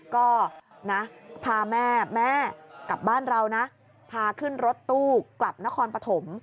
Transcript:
ก็นะพาแม่แม่กลับบ้านเรานะพาขึ้นรถตู้กลับนครปฐม